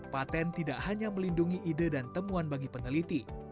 patent tidak hanya melindungi ide dan temuan bagi peneliti